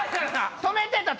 止めてた！